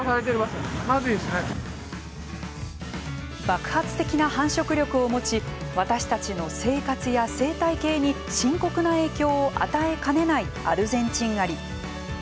爆発的な繁殖力を持ち私たちの生活や生態系に深刻な影響を与えかねないアルゼンチンアリ。